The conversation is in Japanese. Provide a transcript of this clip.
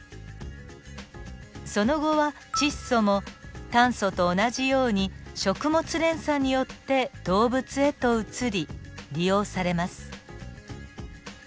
その後は窒素も炭素と同じように食物連鎖によって動物へと移り利用されます。